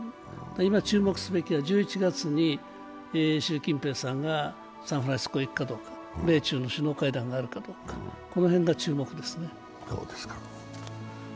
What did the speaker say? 今、注目すべきは１１月に習近平さんがサンフランシスコへ行くかどうか、首脳会談があるかどうか、この辺が注目ですね。